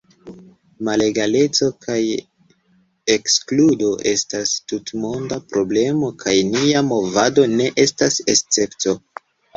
Malegaleco kaj ekskludo estas tutmonda problemo, kaj nia movado ne estas escepto.